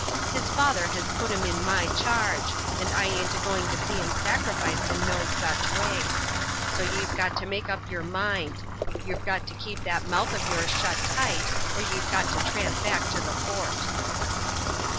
His father hez put him in my charge, and I aint a going to see him sacrificed in no such way. So ye've got to make up yer mind; yer have got to keep that mouth of yours shut tight or yer've got to tramp back to the fort."